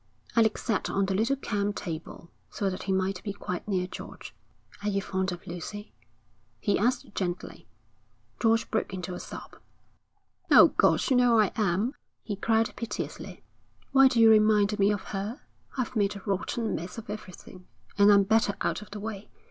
Alec sat on the little camp table so that he might be quite near George. 'Are you fond of Lucy?' he asked gently. George broke into a sob. 'O God, you know I am,' he cried piteously. 'Why do you remind me of her? I've made a rotten mess of everything, and I'm better out of the way.